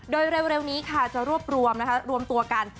โดยเร็วนี้ค่ะจะรวบรวมนะคะรวมตัวกัน